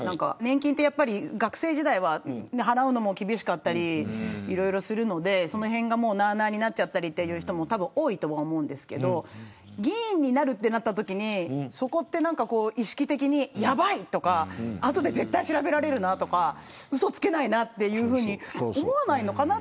年金って、やっぱり学生時代は払うのも厳しかったりいろいろするので、そのへんがなあなあになっちゃう人も多いとは思うんですけど議員になるってなったときにそこらへん、意識的にやばいとかあとで絶対調べられるなとかうそつけないなとか思わないのかなと。